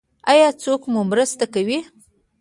ایا څوک مو مرسته کوي؟